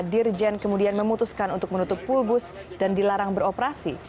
dirjen kemudian memutuskan untuk menutup pulbus dan dilarang beroperasi